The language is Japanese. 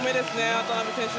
渡邊選手。